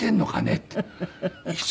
って。